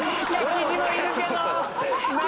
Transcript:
キジもいるけど。